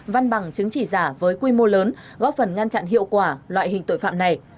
văn bằng chứng chỉ giả với quy mô lớn góp phần ngăn chặn hiệu quả loại hình tội phạm này